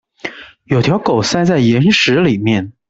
有條狗塞在岩石裡面